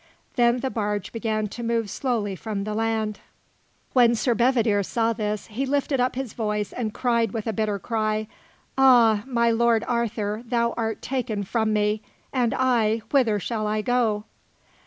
Then the barge began to move slowly from the land. When Sir Bedivere saw this, he lifted up his voice and cried with a bitter cry: "Ah! my Lord Arthur, thou art taken from me! And I, whither shall I go?"